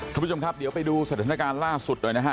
คุณผู้ชมครับเดี๋ยวไปดูสถานการณ์ล่าสุดหน่อยนะฮะ